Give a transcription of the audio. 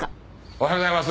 おはようございます。